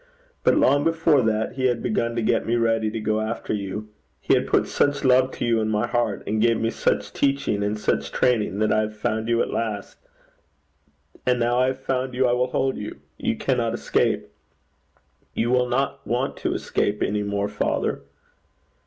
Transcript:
But long before that he had begun to get me ready to go after you. He put such love to you in my heart, and gave me such teaching and such training, that I have found you at last. And now I have found you, I will hold you. You cannot escape you will not want to escape any more, father?'